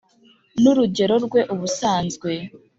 n'urugero rwe ubusanzwe,